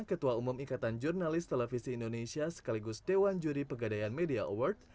ketua umum ikatan jurnalis televisi indonesia sekaligus dewan juri pegadaian media award